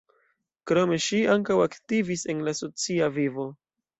Krome ŝi ankaŭ aktivis en la socia vivo.